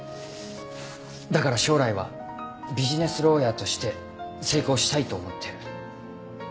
だから将来はビジネスローヤーとして成功したいと思ってる。